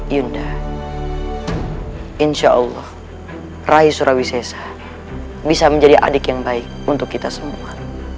yunda insya allah rai surawisesa bisa menjadi adik yang baik untuk kita semua